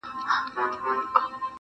د ګلونو پر غونډۍ اورونه اوري.!